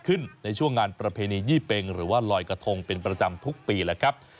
ในช่วงงานประเพณียี่เป็งหรือว่าลอยกระทงเป็นประจำทุกปีแล้วครับ